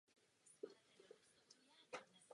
Dříve byla tímto slovem označována pouze populární píseň.